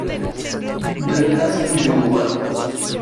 De l'audace, toujours